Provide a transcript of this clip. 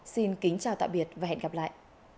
xin kính chào tạm biệt và hẹn gặp lại